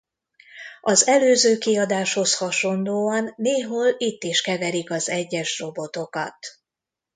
Az előző kiadáshoz hasonlóan néhol itt is keverik az egyes robotokat.